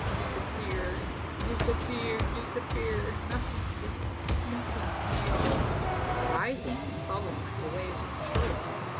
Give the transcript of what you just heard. "Disappeared, disappeared, disappeared. Nothing real, nothing real," rising and falling like the waves on the shore.